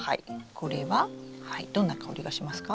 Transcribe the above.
これはどんな香りがしますか？